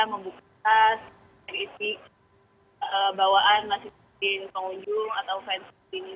kita membuka tas dan isi bawaan masih di pengunjung atau fans